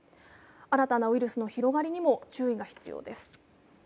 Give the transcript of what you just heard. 新たなウイルスの広がりにも注意が必要です。